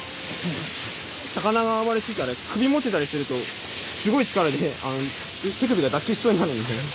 魚が暴れてたら首持ってたりするとすごい力で手首が脱臼しそうになるんで。